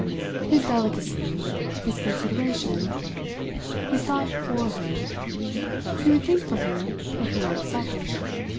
"His delicacy. His consideration. His thought for her. He would think for her if he weren't selfish.